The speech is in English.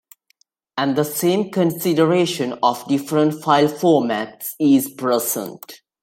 And the same consideration of different file formats is present.